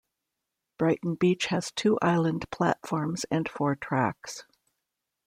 Brighton Beach has two island platforms and four tracks.